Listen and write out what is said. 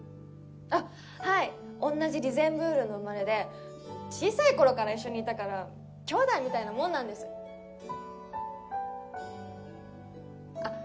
あっはい同じリゼンブールの生まれで小さい頃から一緒にいたからきょうだいみたいなもんなんですあっ